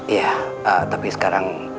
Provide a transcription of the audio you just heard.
iya tapi sekarang